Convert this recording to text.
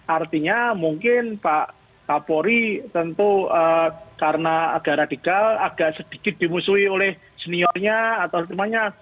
artinya mungkin pak kapolri tentu karena agak radikal agak sedikit dimusuhi oleh seniornya atau temannya